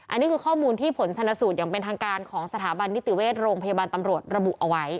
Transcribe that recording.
อันนี้คือข้อมูลที่ผลชนสูตรอย่างเป็นทางการของสถาบันนิติเวชโรงพยาบาลตำรวจระบุเอาไว้